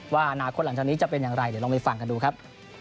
ว่าอนาคตหลังจากนี้จะเป็นอย่างไรเดี๋ยวลองไปฟังกันดูครับ